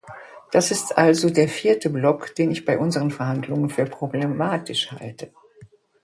Das ist also der vierte Block, den ich bei unseren Verhandlungen für problematisch halte.